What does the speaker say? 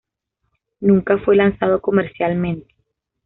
Nunca fue lanzado comercialmente.